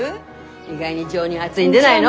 意外に情にあづいんでないの？